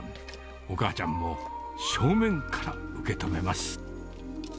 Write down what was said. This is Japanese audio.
お母ちゃんも正面から受け止めます。